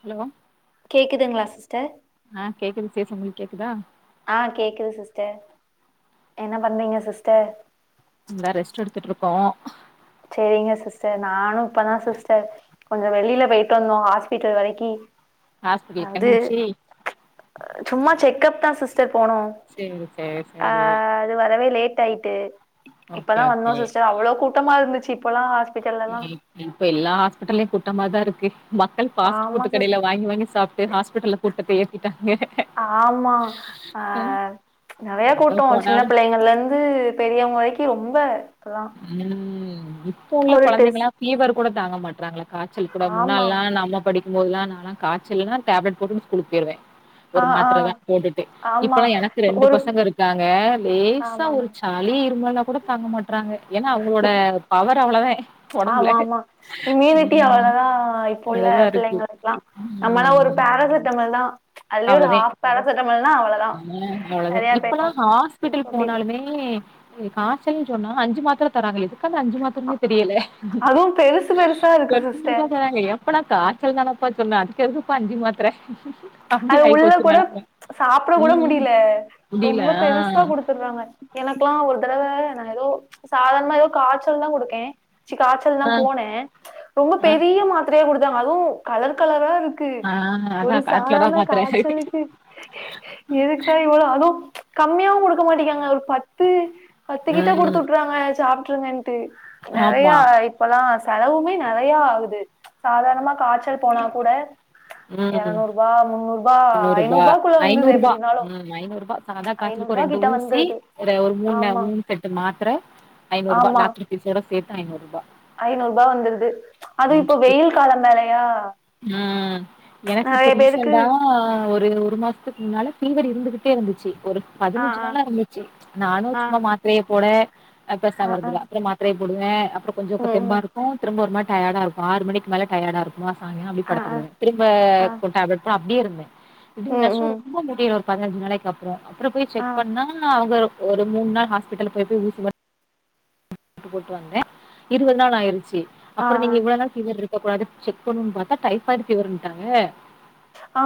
Hello கேக்குதுங்ளா sister ஆ கேக்குது சிஸ் உங்களுக்கு கேக்குதா ஆ கேக்குது சிஸ்டர் என்ன பண்றீங்க சிஸ்டர் இந்தா ரெஸ்ட் எடுத்துட்டுருக்கோ சேரிங்க சிஸ்டர் நானு இப்பதா சிஸ்டர் கொஞ்சொ வெளியில போயிட்டு வந்தோ ஹாஸ்பிட்டல் வரைக்கி ஹாஸ்பிட்டலுக்கு அது என்னாச்சு சும்மா செக்கப் தா சிஸ் டர் போனோ சேரி சேரி அ சேரி அது வரவே லேட் ஆயிட்டு ஓகே இப்பதா வந்தோ ஓகே சிஸ்டர் அவ்ளோ கூட்டமா இருந்துச்சு இப்பொலா ஹாஸ் இப்ப எல்லா ஹாஸ்பிட்டல்லயு கூட்டமாதா இருக்கு மக்கள் ஃபாஸ்ட் ஆமா ஃபுட்டு கடேல சிஸ்டர் வாங்கி வாங்கி சாப்ட்டு ஹாஸ்பிட்டல்ல கூட்டத்த ஏத்திட்டாங்க ஆமா ஆ நெறையா எங்க கூட்டோ சின்ன போனாலு பிள்ளைங்கள்லருந்து பெரியவங்க வரைக்கு ரொம்ப இப்பல்லா ம் இப்ப உள்ள ஒரு டெஸ் கொழந்தைகளா ஃபீவர் கூட தாங்க மாட்டறாங்கள காச்சல் கூட ஆமா முன்னால்லா நம்ம படி போதுலா நாளா காச்சல்லுனா டேப்லட் போட்டுகுட் ஸ்கூலுக் பேய்ருவே ஆ ஒரு ஆ மாத்தர தா போட்டுட்டு ஆமா இப்பல்லா எனக்கு ரெண்டு ஒரு பசங்க இருக்காங்க லேசா ஆமாமா ஒரு சளி இருக் இவாலா கூட தாங்க மாட்றாங்க ஏனா அவுங்குளோட இப் பவர் அவுளேதே ஒடம்புல ஆமா ஆமா அவ்ளோதா இருக்கு பிள்ளைங்களுக்லா நம்மளா ஒரு ம் பேராசிட்டமல் தா அதுலே ஒரு அவ்ளோதே ஹாப் பேராசிட்டமால்னா அவுளொதா ஆ அவ்ளோதே சரியா இப்பல்லா போயிடு இப் அப்டி இல்ல கச்சல் சொன்னா அஞ்சு மாத்தர தராங்க எதுக் கந்த அஞ்சு மாத்தர்னே தெரியல அதுவு பெருசு பெருசா இருக்கு எட்டு மணிக்கா சிஸ்டர் தராங்க எப்பலா கா ச்சல் தானப்பா சொன்ன அதுக் எதுக்குப்பா அஞ்சி மாத்தர அது உள்ள கூட சாப்ட கூட ம் முடில முடியல ரொம்ப பெருசா குடுத்துர்றாங்க எனக்லா ஒரு தரவ நா எதோ சாதாண்மா எதோ காச்சல் தா குடுக்கே சி காச்சல் தா ஆ போனே ரொம்ப ஆ பெரிய மாத்ரயா குடுத்தாங்க அதுவு கலர் கலரா இருந் ஆ அத கார் அதான காச்சலுக்கு எதுக்கு தா இவளோ அது கம்மியாவு குடுக்க மாட்டிங்கியாங்க ஒரு பத்து பத்து கிட்ட ம் குடுத்துஉட்ருவாங்க சாப்ட்ருங்கன் டு நெறய ஆமா இப்பலா செலவுமே நெறையா ஆவுது சாதார்ணமா காச்சல் போனா கூட ம் எரநூறுபா முன்னூறுபா முண்ணூறுபா ஐநூறுபாக்குள்ள வந்தது ஐநூறுபா எப்டினாலு ம் ஐநூறு அதா காச்சுலுக்கொ ஒரு ஐநூறுபா ரெண்டு கிட்ட ஊசி வந்துருது ஒரே ஒரு மூண் ந ஆமா மூண் செட்டு மாத்ர ஐநூருபா டாக்டர் ஃபீசோட சேத்து ஐநூருபா ஐநூருபா வந்துருது அதுவு இப்ப வெயில் காலம் வேறயா ம் எனக் இப்ப நெறைய பேருக்கு ரீசண்டா ஒரு ஒரு மாஸ்த்துக் முன்னால ஃபீவர் இருந்துகுட்டே இருந்துச்சு ஒரு ஆ பதினஞ்சு நாள ஆ இருந்துச்சு நானு ஆ சும்மா மாத்ரய போட ஆ பெசாம ஆ இருந்துருவ அப்பற மாத்ரய் போடுவே அப்ற இப்ப கொஞ்சொ இப்ப ம் தெம்பா ம் இருக்கு திரும்ப ஒருமாரி டயாடா இருக்கு ஆறு மணிக்கு மேல டயடா இருக்குமா சாங்கால அப்டி ஆ ஆ படத்துகிடுவ திரும்ப ஆ கு டேப்லட் போன அப்டியே இருந்தே இப்டி ம் நஷ்றொ ம் ரொம்ப முடில ஒரு பத்னஞ்சு நாளக்கி அப்றொ அப்புற போய் ஆ செக் பண்ணா அவுங்க ஒரு மூண் நாள் ஹாஸ்பிட்டலு போய் போய் ஊசி மட் டு போட்டு வந்தே இருவது நாள் ஆயிருச்சி ஆ ஆ அப்புற நீங்க இவ்ளோ நாள் ஃபீவர்ருக் கூடாது செக் பண்ணுன் பாத்தா டைஃபாய்டு ஃபீவருன்ட்டாங்க ஆ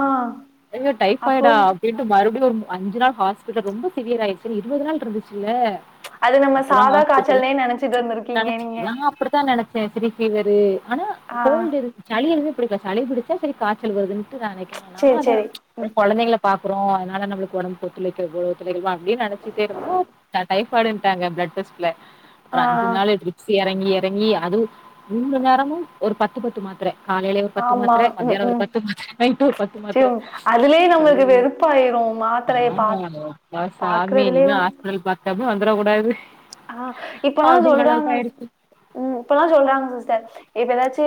எங்க அப்போ டைஃபாய்டா அப்டின்ட்டு மறு அப்டி ஒரு மு அஞ்சு நாள் ஹாஸ்பிட்ட ரொம்ப சிவியர் ஆயிருச்சு இருவது நாள்ருந்துச்சில்ல அது நம்ம சாதா காச்சல்னே நனச்சி நா அப்புடுதா நெனச்சே செரி ஃபீவரு அனா ஆ கோல்டு இருக் சளி எதுமே பிடிச்சா செரி காச்சல் வருதுன் நெனைக்கலா நா சேரி அத சேரி ம் கொழந்தைங்ள பாக்குறோ அதனால நம்ளுக்கு உடம்புக் ஒத்துலைக்ல போல் ஒத்துலைக்லதா அப்டி நெனச்சிட்டே இருந்தா ட டைஃப்பாய்டுன்டாங்க ப்ள அட் டெஸ்ட்ல அப்பற ஆ அஞ்சு ஆ நாளே ட்ரிப்ஸ் எறங்கி எறங்கி அதுவு மூண்மண்நேரமு ஒரு பத்து பத்து மாத்தர காலைலே ஒரு பத்து ஆமா மாத்தர ம் மத்யான ஒரு ம் பத்து மாத்தர நைட்டு ஒரு பத்து சரி மாத்தர அதுலயே நம்மளுக்கு வெறுப்பாயிரும் மாத்திரைய பா ஆம்மாவா வா சாமி இனிமே பாக்குறதுலயும் ஹாஸ்பிடல் பாக்கமே வந்துர கூடாது ஆ இப்பல்லா அப்டிங்கிற அளவுக்கு சொல்றாங்கஸ் ஆயிடுச்சு ம் இப்பல்லா சொல்றாங்க சிஸ்டர் இப்ப ஏதாச்சி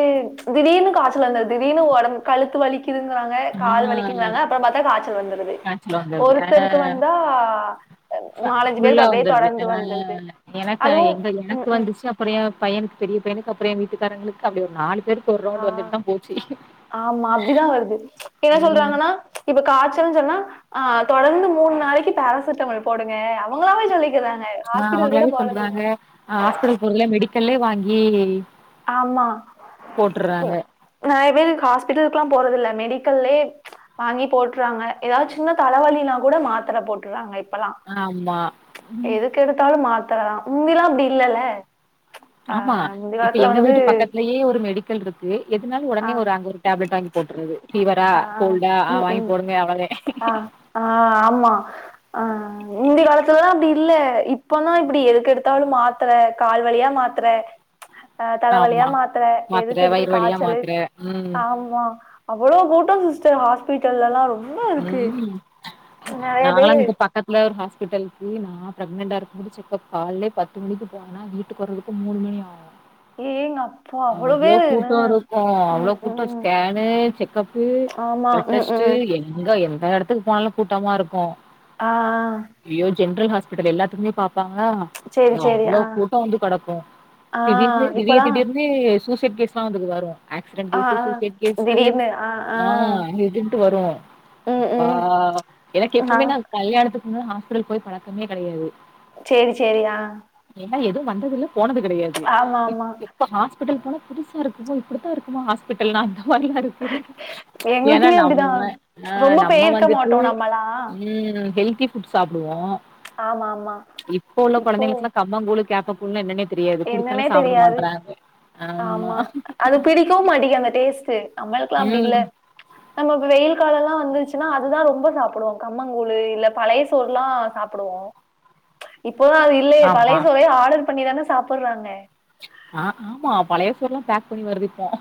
திடீனு காச்சல் வந்த திடீனு உடம்பு கழுத்து வலிக்கிதுங்குவாங்க கால் ஆ வலிங்கிங்காங்க அப்பறம் பாத்தா காச்சல் வந்து வருது காய்ச்சல் வந்துருது ஆ ஒருத்தருக்கு வந்தா நாலஞ்சி பேருக்கு அப்டே தொடர்ந்து வந்துருது எனக்கனே அதுவும் எங்க எனக்கு ம் ம் வந்துச்சு அப்பற ஏ பையன்க்கு பெரிய பையனுக்கு அப்பற ஏ வீட்டுக்காரங்களுக்கு அப்டி ஒரு நாலு ஒர் ரவுன்டு வந்துட்டு தா போச்சு ஆம்மா அப்டிதா வருது என்ன ம் சொல்றாங்கனா இப்ப காச்சல் சொன்னா ஆ தொடர்ந்து மூண் நாளக்கி பேரசிட்டம்மல் போடுங்க போடுங்க அவுங்களாவே சொல்லிக்கிற அ அவங்ளாவே சொல்லுதாங்க அ ஹாஸ்பிட்டல் போறதுல மெடிக்கல்லே வாங்கி ஆமா போட்டுறாங்க நெறைய பேரு ஹாஸ்பிட்டல்க்குலா போறதில்ல மெடி மெடிக்கல்லே டவாங்கி போட்டுறாங்க எதாவ்து சின்ன தலைவலினா கூட மாத்தர போட்டுறாங்க இப்பலா ஆமா ம் எதுக்கெடுத்தாலு மா அ முந்திலா அபடி இல்லல்ல அ ஆமா. முந்திலா இப்ப எங்க வீட்டு பக்கத்லயே ஒரு மெடிக்கல்ருக்கு எதுனாலு ஆ ஒடனே ஒரு அங்க ஒரு டேப்லெட் வாங்கி போட்டுருது ஃபீவரா ஆ கோல்டா ஆ வாங்கி போடுங்கே அவ்ளதே அ ஆமா ஆ முந்தி காலத்துலதா அப்டி இல்ல இப்ப தா இப்படி எதுக்கெடுத்தாலு மாத்தர கால்வலியா மாத்தர ஆ தலவலியா ஆமா. மாத்திர மாத்திர வயிறு எதுக்கெடுத்தாலு வலியா காச்சலு மாத்திர. ம். ஆமா அவ்வளோ கூட்டோ சிஸ்ட ஹாஸ்பிட்டல்லெல்லா ரொம்ப இருக்கு நெறைய நாங்கலா பேரு இங்க பக்கத்துல ஒரு ஹாஸ்பிட்டலுக்கு நா ப்ரெக்னென்டா இருக்கும்போது செக்கப் கால்லே பத்து மணிக்கு போவேன்ன்னா வீட்டுக்கு வரத்துக்கு மூணு மணி ஆவு ஏங்க அப்பா அவ்ளோ அவ்ளே பேரு என்ன கூட்டோ இருக்கு அவ்ளோ ம் கூட்டோ ம் ஸ்கேனு செக்கப்பு ஆமா ப்ளட் ம் டெஸ்ட்டு ம் எங்க எந்த எடத்துக்கு போனாலு கூட்டமா ருக்கு அ அ ஜென்ரல் ஹாஸ்பிட்டலு எல்லாத்துக்குமே பாக் கா சேரி அ சேரி அவ்வளோ ஆ கூட்டோ வந்து கடக்கு ஆ திடீ தீடீர் இப்பல்லா திடீர்னு சூஸ் கிட் கேஸ்லா வந்துது இந்த வாரோ ஆக்சிடென்ட் ஆ கேசு ஆ சூசைட் கேசு ஆ இதுந்ட்டு வரு ம் அப்பா ம் எனக் ஆ எப்வுமே நா கல்யாணத்துக்கு முன்னால ஹாஸ்பிட்டலுக் போய் பழக்கமே கடையாது சேரி சேரி அ எதுவு வந்தது இல்ல போனது கெடையாது ஆமா இப்ப ஹாஸ் ஹஸ்பிட்டல் போனா புதுசாருக்கு ஓ இப்படிதா இருக்குமா ஹாஸ்பிட்டல்னா இத்தா மாரியாருக்கு ஏன்னா எங்களுக்குமே அப்டிதா நம்ம அ ரொம்ப நம்ம பேயிருக்க வந்துட்டு மாட்டோ நம்மளா ம் ஹெல்தி ஃபுட் சாப்டுவோ ஆமா ஆமா இப்ப உள்ள இப்போ கொழந்தைங்களுக்லா கம்மங்க கூழு கேப்ப கூழ்ன்ன என்னன்னே தெரியாது என்னன்னே குடுத்தாலு சாப்பிட தெரியாது மாட்றாங்க ஆமா அது பிடிக்கவு மாட்டீக்கு அந்த டேஸ்ட்டு நம்மல்க்லா அப்டி இல்ல ம் நம்ம வ வெயில் காலல்லா வந்துச்சுன்னா அதுதா ரொம்ப சாப்புடுவோ கம்மங்கூழு இல்ல பழைய சோறுலா சாப்புடுவோ இப்போதா அது இல்லைய ஆமா பழைய சோரைய ஆடர் பண்ணிதா சாப்புற்றாங்க ஆ ஆமா பழைய சோறுலா பேக் பண்ணி வருது இப்ப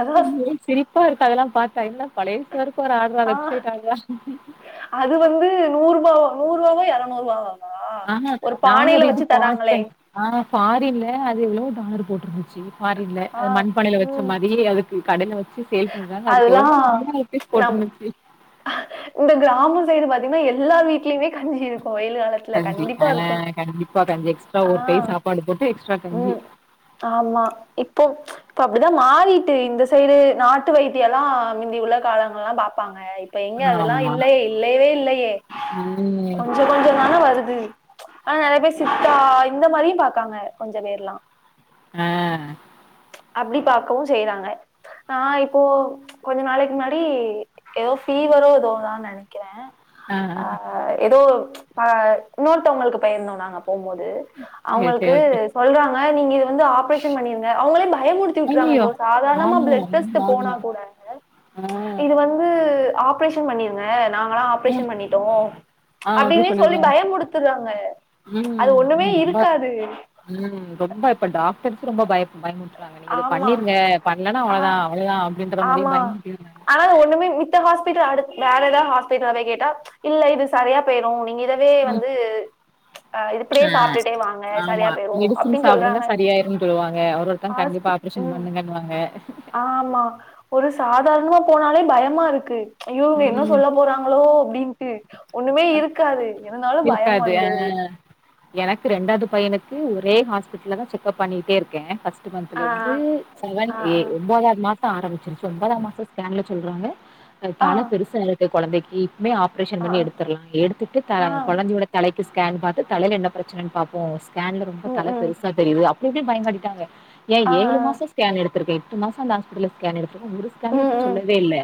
அதா சிரிப்பா இருக்கு அதெல்லா பாத்தா என்னடா பழைய சோறுக்கு ஒரு ஆட்ரா ஆ வெப்சைட் ஆட்ரா. அது வந்து நூறுபா நூறுபாவா எறநூருபாவா ஆமா நானு ஒரு இது பாத்தே ஆ ஃபாரின்ல அது எவ்ளோ டாலரு போட்ருந்து ச்சு ஃபாரின்ல ஆ அத் மண்ப்பானையில வெச்ச ம் மாரி அதுக்கு கடய வ வெச்சு சேல் பண்றாங்க அதுக்கு அதெல்லாம் எவ்ளோ [unintelligible] ரூப்பீஸ் நம் போட்ருந்துச்சு ன்னா எல்லா வீட்லேயுமே கஞ்சி இருக்கு இப்போ வெயில் காலத்துல கஞ்சி கண்டிப்பா ஆ இருக்கு கண்டிப்பா கஞ்சி எக்ஸ்ட்ரா ஆ ஒரு கை சாப்பாடு போட்டு எக்ஸ்ட்ரா கஞ்சி. ம் ஆமா இப்போ இப்போ அப்டித்தா மாறிட்டு இந்த சைடு நாட்டு வைத்தியெல்லா மிந்தி உள்ள காலங்கல்லா பாப்பாங்க இப்ப எங்க அதெல்லா ஆமா. இல்லையே இல்லவே இல்லையே ம். கொஞ்ச கொஞ்ச தான வருது ஆனா நெறைய பேர் சித்தா இந்த மாரியு பாக்காங்க கொஞ்ச பேர்ல்லா அ அப்டி பாக்கவு செய்றாங்க நா இப்போ கொஞ்ச நாளைக் முன்னாடி எதோ ஃபீவரோ எதோதா நெனைக்கிறே ஆ ஆ அ எதோ அ இன்னொர்த்தவங்களுக்கு போய்ருந்தோ நாங்க அப் போம்மோது சரி சரி அவுங்களுக்கு ஓகே. சொல்றாங்க நீங்க இது வந்து ஆப்ரேஷன் பண்ணிருங்க பயமுடுத்திவுட்றாங்க ஐய்யயோ! போ சாதார்ணமா ஆமா பிளட் டெஸ்ட் போனா ஆமா. கூட ஆ. இது வந்து ஆப்ரேஷன் பண்ணிருங்க நாங்கல்லா ம். ஆப்ரேஷன் பண்ணிட்டோ ஆ அப்டி அப்டினே சொல்லிருவாங்க. சொல்லி பயமுடுத்துறாங்க அது ம் ஆமா ஒண்ணுமே ரொம்ப இருக்காது ம் ரொம்ப இப்ப டாக்டர்ஸ் ரொம்ப பய பயமுடுத் றாங்க நீங்க இது ஆமா பண்ணிருங்க பண்லனா அவ்ளோதா ஆ அவ்ளதா அப்டின்ற மாரியே ஆமா பயமுறுத்திறாங்க ஆனா ஒண்ணுமே மித்த ஹாஸ்பிட்டல் அடுத் வேற ஏதா ஹாஸ்பிட்டல போய் கேட்டா இல்ல இது சரியா போய்ரு நீங்க இதவே வந்து அ இப்படியே ஆ சாப்பிட்டுட்டே வாங்க ஆமா சரியா போயிரும் மெடிசின் அப்படின்னு சாப்புடுங்க சொல்றாங்க சரியாய்ருன் சொல்லுவாங்க ஒரு ஒருத்தங் ஹாஸ்பி கண்டிப்பா ஆப்ரேஷன் ம் பண்ணுங்கன்வாங்க ஆமா ஒரு சாதார்ணமா போனாலே பயமாருக்கு ஐயோ இவ்ங்க என்ன ம். சொல்ல போறாங்ளோ அப்டின்டு ஒண்ணுமே இருகாது இருந்தாலு பயம் இருக்காது. வந்தது எனக்கு ரெண்டாது பையனுக்கு ஒரே ஹாஸ்பிடல்லதா செக்கப் பண்ணிட்டே இருக்கே ஃபஸ்ட் ஃபஸ்ட் மன்த்ல ஆ இருந்து செவன் ஆ ஏ ஒம்போதாது மாசோ ஆரம்பிச்சுருச்சு ஒம்போதா மாசோ ஸ்கேன்ல சொல்றாங்க ஆ ஆ தல பெருசா இருக்கு கொழந்தைக்கி இப்பமே ஆப்ரேஷன் ஆ பண்ணி எடுத் ஆ தற்லா எடுத்துட்டு த ஆ கொழந்தையோட தலைக்கு ஸ்கேன் பாத்து தலைல என்ன ப்ரச்சனன் பாப்போ ஸ்கேன்ல ரொம்ப ம் தல ம் பெருசா தெரிது அப்டி அப்டி பயங்காட்டிட்டாங்க ஏய் ஆ ஆ ஏழு மாசோ ஸ்கேன் எடுத் தர்க்கு எட்டு மாசோ அந்த ஹாஸ்பிட்டல்ல ஸ்கேன் எடுத்துருக்க ஒரு ஸ்கேன்லயு ம் அப்டி ம் சொல்லவே இல்ல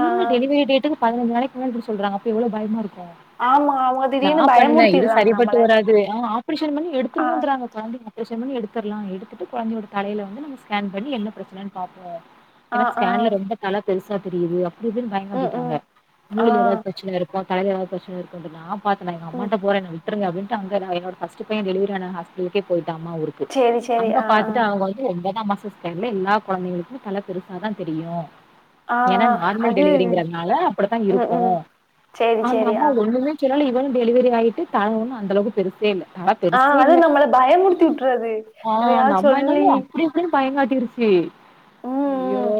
ஆ ஆ டெலிவரி டேடுன் பதினச்சு நாளைக் முன்னாடி இப்டி சொல்றாங்க அப்போ எவ்ளோ பயமா இருக் ஆமா அவங்க நா திடீர்னு பண்ண இது பயமுறுத்திடுறாங்க சரிபட்டு நம்மள வராது ஆ ஆப்ரேஷன் பண்ணி ஆ ஆ எடுத்துருவோன்றாங்க கொழந்தைய ஆப்ரேஷன் பண்ணி எடுத்தற்லா எடுத்துட்டு கொழந்தையோட தலைல வந்து நம்ம ஸ்கேன் பண்ணி என்ன ப்ரச்சனன் பாப்போ ஆ ஏனா ஆ ஸ்கேன்ல ரொம்ப தல பெருசா தெரிது துதுன் ம் பயங்காடிடாங்க ம் ஆ மூல ஏதா ப்ரச்சன இருக்கா தல ஏதா ப்ரச்சன இருக்குன்றதா நா எங்க ம் அம்மாட்ட போற என்ன விட்டுருங்க அப்டின்டு அங்க நா என்னோட ஃபஸ்ட்டு பைய டெலிவரியான ஹாஸ்பிட்டல்கே போய்ட் அம்மா ஊருக்கு சேரி சேரி அங்க ஆ ஆ பாத்துட்டு அவ்ங்க வந்து டா மாசோ ஸ்கேன்ல எல்லா கொழந்தைங்ளுக்கு தல பெருசாதா தெரியு ஆ எனா ஆ நார்மல் அது டெலிவரிங்கறத்னால அப்டித்தா ம் இருக்கு ம் சேரி அந்ந சேரி அம்மா ஆ ஒண்ணுமே சொல்லல இவனு டெலிவரி ஆகிட்டு தல ஒன்னும் அந்தளவுக் பெருசே இல்ல தல ஆ பெருசே அது இல்ல நம்மள பயமுறுத்தி விட்டுறது ஆ அந்த எதையாவது அம்மா சொல்லி எனமோ அப்டி இப்டின் பயங்காட் டிருசி ம் ம் அய்யோ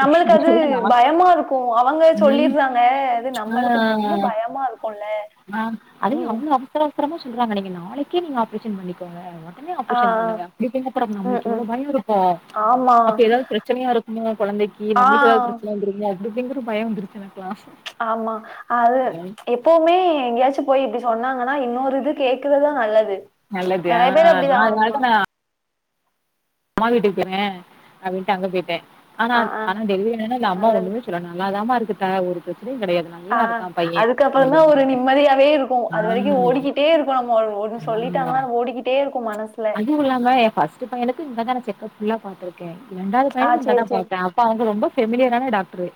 யோ நம்மளுக்கு அது சொன்னனா பயமா இருக்கு அவங்க ம் சொல்லிடுறாங்க அது ஆ ஆ நம்மளுக்கு ரொம்ப பயமா இருக்குல்ல ஆ அதயு ம் அவ்ங்களு அவசர அப்றமா சொல்றாங்க நீங்க நாளைக்கே நீங்க ஆப்ரேஷன் பண்ணிக்கோங்க ஒடனே ஆ ஆப்ரேஷன் பண்ணுங்க அப்டிங்கறப்ப ஆ ம் நம்ளுக்கு ம் எவ்ளோ பயோ இருக்கு ஆமா அப்ப எதாது ப்ரச்சனயா இருக்குமோ கொழந்தைக்கி நம்ளுக்கு ஏதாது ஆ ப்ரச்சன வந்துருமோ அப்டி இப்டிங்குற பயோ வந்துருச்சு எனக்லா ஆமா அது எப்பவுமே எங்கேயாச்சு போய் இப்டி சொன்னாங்கன்னா இன்னொரு இது கேக்குறது நல்லது நல்லது. ஆ நெறைய பேர் அப்டிதா நான் அதனால ஆமா தான் நான் அம்மா வீட்டுக் பொய்ருகே அப்டின்டு அங்க போய்ட்டே ஆனா ஆ ஆ ஆனாடெய்லி என்னனா இல்ல அம்மா நல்லது ஒண்ணுமே சொல்ல நல்லாதாமா இருக்குட்ட ஒரு ப்ர ஆ அதுக்கப்றோதா ஒரு அப்டின்னாங்க. நிம்மதியாவே இருக்கு ஆ. அது வரிக்கு ஓடிகிட்டே இருக்கு நம்ம ஒரு ஒன்னு சொல்லிட்டாங்கனா ஓடிகிட்டே இருக்கு மனசு அதுவு இல்லாம எ ஃபஸ்டு பையனுக்கு இங்கதா நா செக்கப்குலா பாத்துருக்கே ரெண்டாவது ஆ பையனுகு இங்கதா சேரி சேரி பாத்தே அப்ப அவுங்க ரொம்ப ஃபமிலியரான டாக்ட்ரு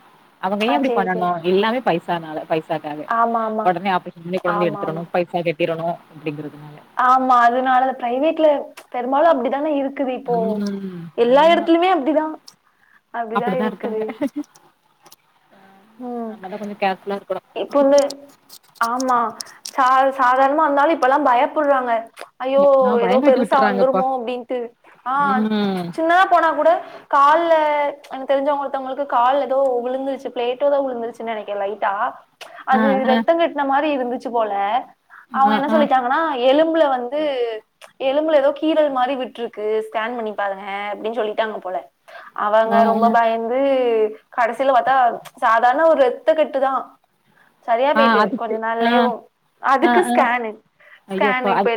அவுங்க ஆ ஏ அப்டி சேரி பண்ணணு சேரி எல்லாமே பைசானால பைசாகாக ஆமா ஆமா ஒடனே ஆப்ரேஷன் பண்ணி கொழந்தைய ஆமா ஆமா எடுத்தறணு பைசா கட்டிறணு அப்டிங்கறக் கு பெரும்பாலு அப்டிதானே இருக் குது இப்போ ம். எல்லா ஆமா. எடத்துலயுமே அப்டிதா அப்டிதா அப்டிதான் இருக்குது இருக்காங்க. ம் நம்ம தான் கொஞ்சம் கேர்ஃபுல்லா இருக்கணும். எப்போமே ஆமா சா சாதார்ணமா இருந்தாலு இப்பல்லா பயப்புற்றாங்க அய்யோ ஆ எதோ பயங்காட்டி பெருசா விட்டுறாங்கப்பா. வந்துருமோ அப்டின்ட்டு ஆ ம். சின்னதா போனா கூட கால்ல தெரிஞ்சவங்க ஒருத்தவங்களுக்கு கால்ல எதோ விழுந்துருச்சு பிளேட் எதோ விழுந்துருச்சுன்னு நெனைக்கிற லைட்டா ஆ, அது ஆ, ரத்தங் கட்டின மாரி இருந்துச்சு போல ஆ, அவுங்க என்ன ஆ. சொல்லிட்டாங்கனா எலும்புல வந்து எலும்புல எதோ கீரல் மாரி விட்டுருக்கு ஸ்கேன் பண்ணிப்பாருங்க அப்டின்னு சொல்லிட்டாங்க போல ஆ அவுங்க ரொம்ப ஆ பயந்து கடைசில பாத்தா சாதாரண ஒரு ரத்த கெட்டுதா சரியா ஆ போயிட்டு அதுக்கு கொஞ்ச ஆ நாள்லயேவு அதுக்கு ஸ்கேனு அய்யோப்பா ஸ்கேனு ஐ இப்ப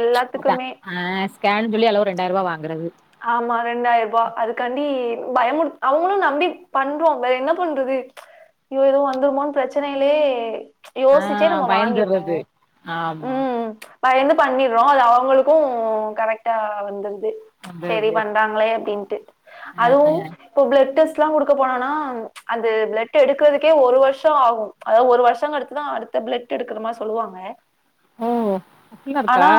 அதா எல்லாத்துக்குமே ஆ ஸ்கேன்னு சொல்லி அதுல ஒரு ரெண்டாயிரரூவா வாங்கறது ஆமா ரெண்டாயிரரூபா அதுக்காண்டி பயமு அவுங்களு நம்பி பண்றோம் வேற என்ன பண்றது இவ எதோ வந்துருமோன்னு பிரச்சனைலயே ஆ யோசிச்சே நம்ம வாங்கிரோ பயந்துறது ஆமா ம் பயந்து பண்ணிர்றோ அது அவுங்களுக்கு கரெக்டா வந்துருது அந்த செரி இது பண்றாங்ளே அப்டின்ட்டு ஆ அதுவு இப்ப பிளட் டெஸ் டெல்லா குடுக்க போனனா அந்த பிளட் எடுக்கறதுக்கே ஒரு வருஷோ ஆகு அதாவது ஒரு வருஷங்கடுத்துதா அடுத்து பிளட் எடுக்கனுமானு சொல்லுவாங்க ஓ அப்டிலா இருக்கா ஆனா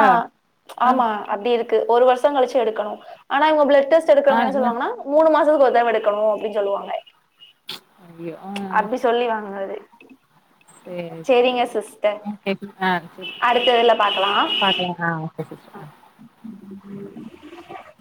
ஆ ஆமா அப்டி இரு க்கு ஒரு வருஷோங் கழிச்சு எக்கணு ஆனா அவுங்க பிளட் டெஸ்ட் ஆ எடுக்கறவங்க என்ன ஆ சொல்வாங்க மூணு மா த்து ஒரு தடவ எடுக்கணு அப்டின்னு சொல்லுவாங்க ஐயோ ஆ அப்டி சொல்லிருவாங்க அது சேரி சேரி சிஸ்டர் ம் கேக்குது ஆ சேரி அடுத்த இதுல பாக்கலா பாக்கலா ஆ ஓகே சிஸ்டர் உ உம்